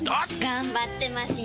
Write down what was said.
頑張ってますよ！